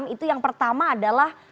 itu yang pertama adalah